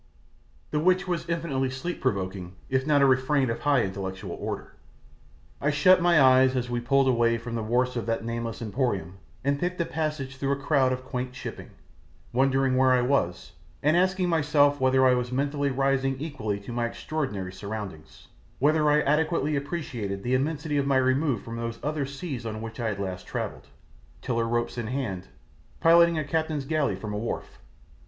the which was infinitely sleep provoking if not a refrain of a high intellectual order. I shut my eyes as we pulled away from the wharfs of that nameless emporium and picked a passage through a crowd of quaint shipping, wondering where I was, and asking myself whether I was mentally rising equal to my extraordinary surroundings, whether I adequately appreciated the immensity of my remove from those other seas on which I had last travelled, tiller ropes in hand, piloting a captain's galley from a wharf.